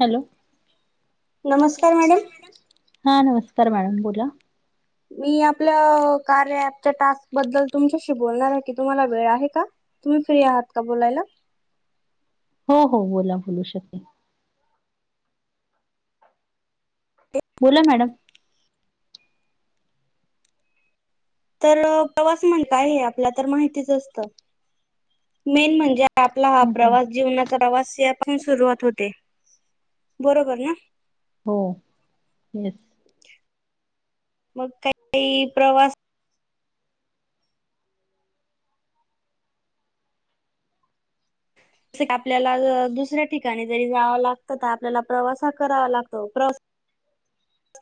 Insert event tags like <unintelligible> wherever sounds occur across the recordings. Hello! नमस्कार madam. हा नमस्कार बोला. मी आपल्या कार्या ॲपच्या टास्क बद्दल तुमच्याशी बोलणार आहे की तुम्हाला वेळ आहे का? तुम्ही फ्री आहात का बोलायला? हो हो बोला बोलू शकते. बोला मॅडम. तर प्रवास म्हण काय आपल्याला तर माहितीच असत मेन म्हणजे आपला हा हम्म हम्म प्रवास जीवनाचा प्रवास हे पण सुरुवात होते. बरोबर ना? हो येस. मग काही तरी प्रवास आपल्याला अ दुसऱ्या ठिकाणी जरी जावं लागतं तर आपल्याला प्रवास करावा लागतो प्रवास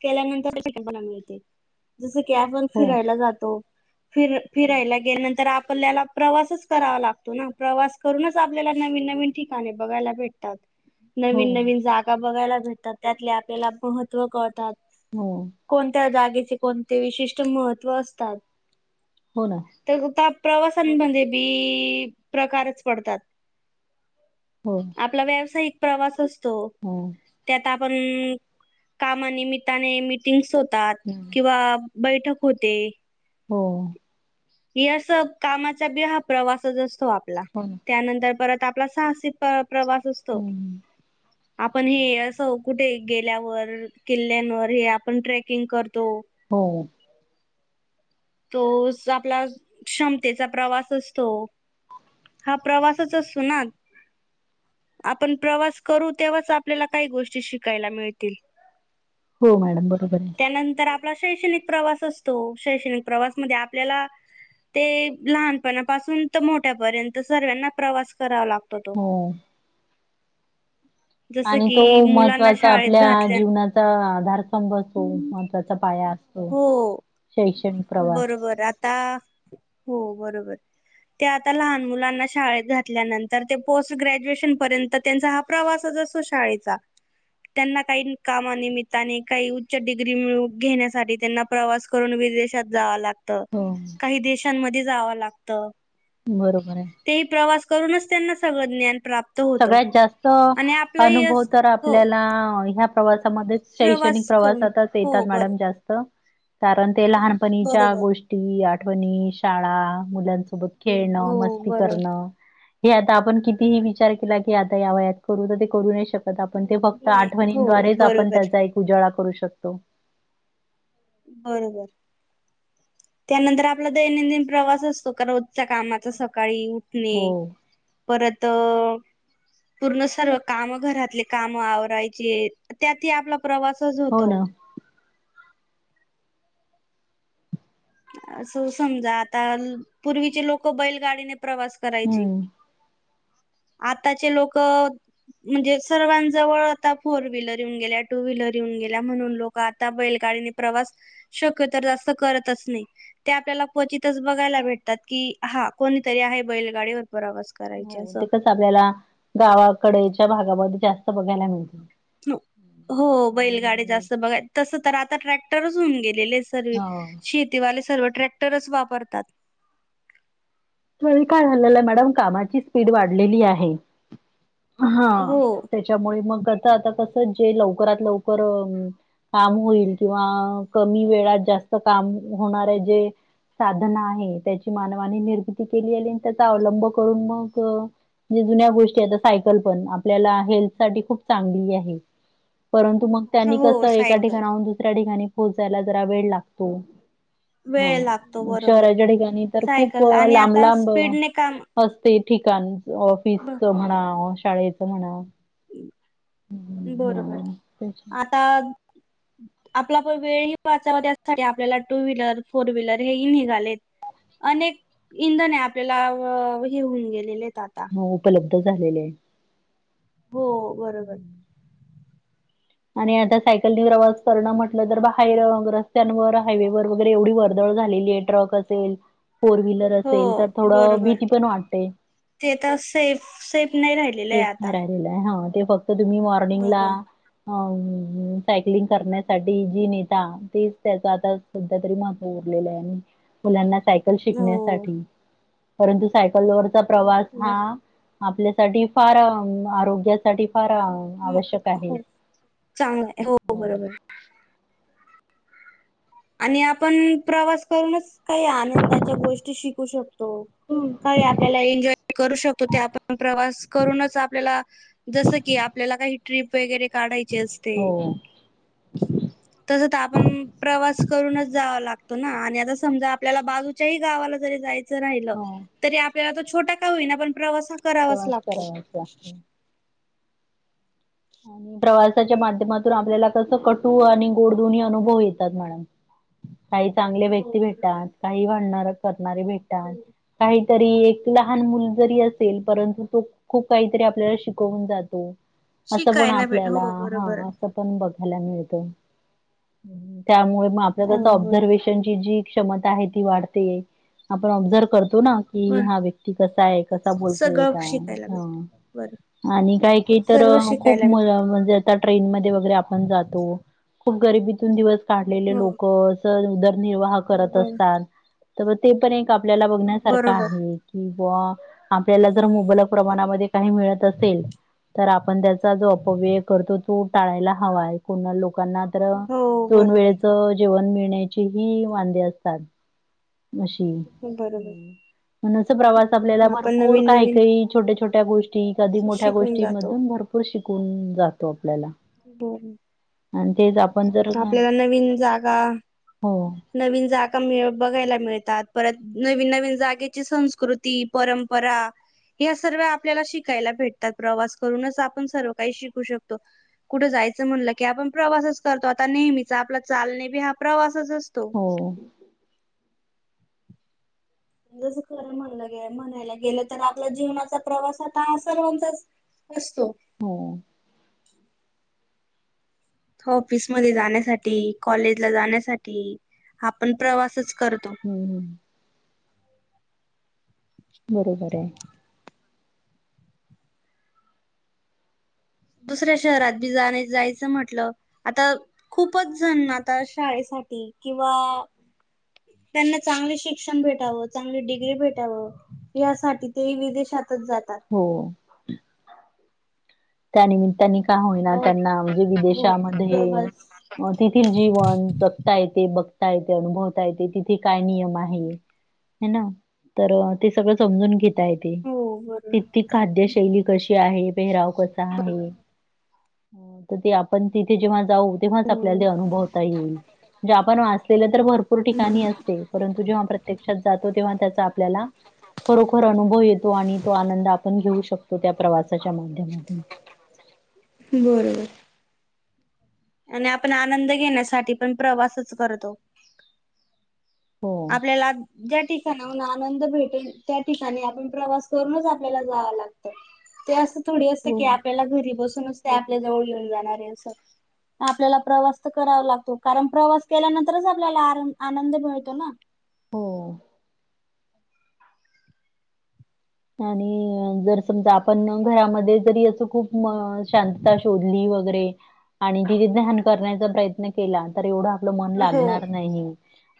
केल्या नंतर <unintelligible> मिळते जस की आपण हो फिरायला जातो. फिर फिरायला गेल्यानंतर आपल्याला प्रवासच करावा लागतो ना प्रवास करूनच आपल्याला नवीन नवीन ठिक का नी बघायला भेट हो नवीन नवीन जागा बघायला भेटतात. त्यातले आपल्याला महत्त्व कळतात. हो कोणत्या जागेचे कोणते विशिष्ट महत्त्व असतात. हो ना? तग त्या प्रवासांमध्ये बी प्रकारच पडतात. हो. आपला व्यावसायिक प्रवास असतो. हम्म. त्यात आपण मनामित्ताने मिटिंग्स होतात हम्म किंवा बैठक होते. हो. ही अस कामाचा बी हाप प्रवासच असतो आपला. हो. त्यानंतर परत आपला साहसी प -प्रवास असतो. हम्म आपण हे असं कुठे गेल्यावर किल्ल्यांवर हे आपण ट्रॅकिंग करतो. हो. तो स आपला क्षमतेचा प्रवास असतो. <inaudible> हा प्रवासच असतो ना? आपण प्रवास करू तेव्हाच आपल्याला काही गोष्टी शिकायला मिळतील. हो मॅडम बरोबर आहे. त्यानंतर आपला शैक्षणिक प्रवास असतो. शैक्षणिक प्रवास मध्ये आपल्याला ते लहानपणा पासून त मोठ्यापर्यंत सर्वना प्रवास करावा लागतो. ततो हो आणि तो महत्त्वाचा शाळेत आपल्या घातल्या जीवनात चा आधार स्तंभ असो महत्वाचा पाया असतो हो शैक्षणिक प्रवास बरोबर आता हो बरोबर. ते आता लहान मुलांना शाळेत घातल्यानंतर ते पोस्ट ग्रॅज्युएशन पर्यंत त्यांचा हा प्रवासज असो शाळेचा. त्यांना काही कामानिमित्ताने काही उच्च डिग्री मिळू घेण्यासाठी त्यांना प्रवास करून विदेशात जावा लागतं हो काही देशांमध्ये जावा लागतं. बरोबर आहे. ते ही प्रवास करूनच त्यांना सगळं ज्ञान प्राप् सगळ्यात जास्त अनुभव अस तर हो आपल्याला ह्या प्रवासामध्येच शैक्षणिक प्रवास करून प्रवासतच हो येतात बर मॅडम जास्त. कारण ते लहानपणीच्या बरोबर गोष्टी आठवणी, शाळा, मुलांसोबत खेळणं हो मस्ती बरो करणं हे आता आपण कितीही विचार केला की आता या वयात करू तर ते करू नाही शकत आपण ते फक्त नाही आठवणीन हो द्वारेच आपण बरोबर त्याचा उजाळा करू शकतो. बरोबर. त्यानंतर आपला दैनंदिन प्रवास असतो का रोजच्या कामाचा सकाळी उ ठणे हो, नाही परत पूर्ण सर्व कामं घरातले कामं आवरायचे त्यात ही आपला प्रवासच हो होतो. ना. असं समजा आताल पूर्वीचे लोकं बैलगाडीने प्रवास करायची हम्म. आताचे लोकं म्हणजे सर्वां जवळ आता फोर व्हीलर येऊन गेल्या टू व्हीलर येऊन गेल्या म्हणून लो कं आता बैलगाडीने प्रवास शक्य तर जास्त करतच नाही. ते आपल्याला क्वचितच बघायला भेटतात की हा कोणीतरी आहे बैलगाडीवर परवास हो तिथंच आपल्याला गावाकडेच्या भागामध्ये जास्त बघायला मिळते. नो हो बैलगाडी जास्त आणि बघाय तसं तर आता ट्रॅक्टरच होऊन गेलेलेस तरी हो. शेतीवाले सर्व ट्रॅक्टरच वापरतात. <unintelligible> काय झालेलं मॅडम कामाची स्पीड वाढलेली आहे हा. हो च्यामुळे मग आता कसं जे लवकरात लवकर उम्म काम होईल किंवा कमी वेळात जास्त काम होणारे जे साधना आहे त्याची मानवाने निर्मिती केली आली आणि त्याचा अवलंब करून मगं जे जुन्या गोष्टी आता सायकल पण आपल्याला हेल्थ साठी खूप चांगली आहे. परंतु मग त्यांनी हो कसं एका सायकल ठिकाणाहून दुसऱ्या ठिकाणी पोहोचयला जरा वेळ लागतो. हा वेळ लागतो म बरोबर शहराच्या ठिकाणी तर खूप सायकल आणि लांब आता लांब स्पीडने काम असतय ठिकाण ब ऑफिसचा म्हणा शाळेचा म्हणा. बरोबर हा तेच आता आपला पण वेळ ही वाचावा त्यासाठी आपल्याला टू व्हीलर फोर व्हीलर हे ही निघालेत. अनेक इंधन हे आपल्याला हो हेऊन गेलेलेत आता. हो उपलब्ध झालेले. हो बरोबर. आणि आता सायकलनी प्रवास करणं म्हटलं तर बाहेर ग रस्त्यांवर हायवेवर वगैरे एवढी वर्दळ झालेली आहे. ट्रक असेल फोर विल र हो असेल तर थोडं बरोबर. भीती पण वाटते ते तर सेफ सेफ नाही राहिलेलं आहे सेफ नाय आता. राहे लेला हा ते फक्त तुम्ही बर मॉर्निंगला अम हम्म सायकलिंग करण्यासाठी जी नेता तेच त्यांचा आता सध्या तरी महत्व उरलेलं आहे आणि मुलांना सायकल हो शिकण्यासाठी परंतु सायकलवरचा प्रवास हा ब आपल्यासाठी फारं आरोग्यासाठी फारं आवश्यक आहे. चांगलाय हो बरोबर आणि आपण प्रवास करूनच काई आनंदाच्या गोष्टी शिकू शक तो. काय आपल्याला एन्जॉय करू शकतो ते आपण प्रवास करूनच आपल्याला जसं की आपल्याला काही ट्रिप वगैरे काढायची असते. हो तसं त आपण प्रवास करूनच जावा लागतो ना आणि आता समजा आपल्याला बाजूच्याही गावाला जरी जाय चं राहील हो तरी आपल्याला तो छोटा का होईना पण प्रवास हा करावाच प्रवास लागतो. करावाच लागतो. आणि प्रवासाच्या माध्यमांतून आपल्याला कसं कटू आणि गोड दोन्ही अनुभव येतात मॅडम काही चांगले हो व्यक्ती भेटतात. बरोबर. काही भांडणार करणारे भेटतात. काहीतरी एक लहान मुल जरी असेल परंतु तो खूप काहीतरी आपल्याला शिकवून जातो. असं पण शिकायला भेट आपल्याला हो हा बरोबर असं पण बघायला मिळत हु त्यामुळे म आपलं हो कस बर ऑब्झर्वेश शन ची जी क्षमता आहे ती वाढते आपण ऑबझर्व करतो ना. की बर हा व्यक्ती कसा आये कसा बोलतोय सगळं काय शिकायला ह भेट बर आणि काय की तर सर्व खुप शिकायला म मिळते म्हणजे आता ट्रेन मध्ये वगैरे आपण जातो. खूप गरीबीतून दिवस काढलेले हो लोक स उदरनिर्वाह करत बर असतात त म ते पण एक आपल्याला बघण्यासारखं बरोबर आहे. किंवा आपल्याला जर मुबलक प्रमाणामध्ये काही मिळत असेल तर आपण त्याचं चा जो अपव्यय करतो तो टाळायला हवाय कुणा लोकांना तर हो दोन बरोबर वेळच जेवण मिळण्याची ही वांदे असतात. नशीब बरोबर हूं म्हणून अस प्रवास आपल्याला आपण भरपूर नवीन काय नवीन काही छोट्या छोट्या गोष्टी कधी मोठ्या शिकून गोष्टी जातो. मधून भरपूर शिकवून जातो आपल्याला <unintelligible> आणि तेच आपण जर म आपल्याला नवीन जागा हो नवीन जागा मिळ बघायला मिळतात. परत नवीन नवीन जागेची संस्कृती, परंपरा हया सर्व्या आपल्याला शिकायला भेटतात. प्रवास करूनच आपण सर्व काही शिकू शकतो. कुठं जायचं म्हणलं की आपण प्रवासच करतो. आता नेहमीच आपला चालणे बी हा प्रवासच अस हो. जसं खरं म्हणलं गे म्हणायला गेलं तर आपला जीवनाचा प्रवास आता हा सर्वांचाच असतो. हो. ऑफिसमध्ये जाण्यासाठी कॉलेजला जाण्यासाठी आपण प्रवासच करतो. हूं हम्म बरोबर आय. दुसऱ्या शहरात बी जाणे जायचं म्हटलं आता खूपच जण आता शाळेसाठी किंवा त्यांना चांगले शिक्षण भेटावं. चांगली डिग्री भेटावं. यासाठी ते विदेशातच जातात. हो. त्यानिमित्तानी का होईना आता त्यांना म्हणजे हो विदेशामध्ये प्रवास म तेथील जीवन जगता येते. बघता येते. अनुभवता येते. तिथे काय नियम आहे. हाय ना तर ते सगळं समजून घेत ता येते. हो बरोबर. तिती खाद्यशैली कशी आहे. पेहराव कसा बरोबर. आहे. हो, तर ते आपण तिथे जेव्हा जाऊ- तेव्हाच आपल्याला हो ते अनुभवता येईल, म्हणजे आपण वाचलेले तर भरपूर ठिकाणी बरोबर. असते- परंतु जेव्हा प्रत्यक्षात जातो, तेव्हा त्याचा आपल्याला- खरोखर अनुभव येतो आणि तो आनंद आपण घेऊ शकतो, त्या प्रवासाच्या माध्यमातून. बरोबर. आणि आपण आनंद घेण्यासाठी पण प्रवासच करतो. हो, आपल्याला ज्या ठिकाणी - मग आनंद भेटेल, त्या ठिकाणी आप प्रवास करून आपल्याला जाव लागतय. ते असं- थोडी असं की आपल्याला घरी बसूनच ते आपल्या जवळ येऊन जाणार आहे, असं. आपल्याला प्रवास तर करावा लागतो, कारण प्रवास केल्यानंतरच आपल्याला आनंद, आनंद मिळतो ना? हो. आणि जर समजा, आपण घरामध्ये जरी असं खूप शांतता शोधली वगैरे- आणि किती ध्यान करण्याचा प्रयत्न केला, तर एवढं आपलं मन हो. लागणार नाही.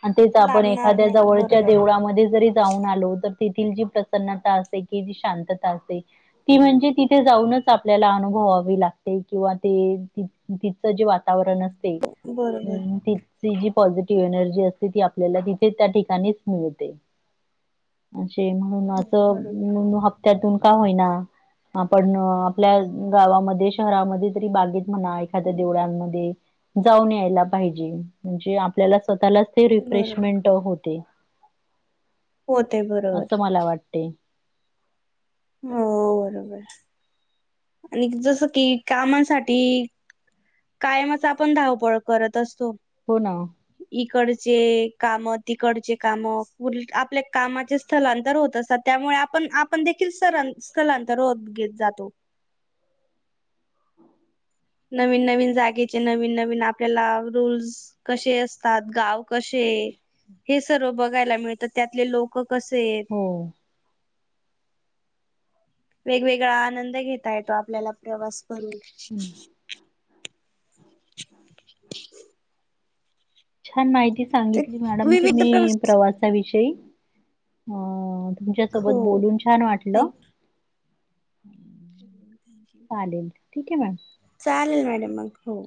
हा, तेच आपण लागणार एखाद्या नाही जवळच्या बरोबर देवळामध्ये जरी जाऊन आलो, तर तेथील जी प्रसन्नता अस- ते, की जी शांतता असते- ती म्हणजे तिथे जाऊनच आपल्याला अनुभवावी लागते किंवा ते- तिचं जे वातावरण असते, बरोबर अम ते- ती जी पॉझिटिव्ह एनर्जी असते ती आपल्याला तिथे त्या ठिकाणीच मिळते. असे म्हणून, असं हप्त्यातून का होईना- आपण आपल्या गावामध्ये, शहरामध्ये तरी बागेत म्हणा, एखाद्या देवळांमध्ये- जाऊन यायला पाहिजे, म्हणजे आपल्याला स्वतःलाच ते बरोबर. रिफ्रेशमेंट होते. होते बरोबर असं मला वाटते. हो बरोबर आणि जस कि कामासाठी- कायमच आपण धावपळ करत असतो. हो ना. इकडचे कामं, तिकडचे कामं आपल्या कामाचेच- स्थलांतर होत असतात, त्यामुळे आपण, आपण देखील स्ंला- स्थलांतर होत घेत जातो. नवीन, नवीन जागेचे नवीन, नवीन आपल्याला रूल्स- कशे असतात? गाव कशे? हे सर्व बघायला मिळतं, त्यातले लोक कसे आहेत? हो. वेगवेगळा आनंद घेता येतो, आपल्याला प्रवास करून. <inaudible> तेच. छान माहिती ते सांगितली, मॅडम विविध तुम्ही प्रवास- विषयी. अ.. तुमच्या हो सोबत बोलून छान वाटलं- थँक्यू चालेल ठीक आहे मॅम. चालेल, मॅडम मग हो.